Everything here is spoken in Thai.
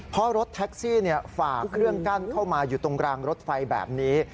เพราะรถแท็กซี่ฝ่าเครื่องกั้นเข้ามาอยู่ตรงรางรถไฟแบบนี้